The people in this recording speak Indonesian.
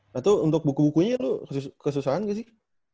nah tuh untuk buku bukunya lu kesusahan gak sih